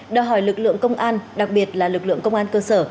đòi hỏi lực lượng công an đặc biệt là lực lượng công an cơ sở